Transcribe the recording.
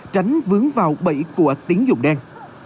tránh vướng vào bẫy của tính dụng đen